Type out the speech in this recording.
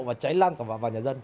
và cháy lăn vào nhà dân